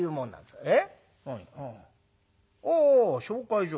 「えっ？ああ紹介状。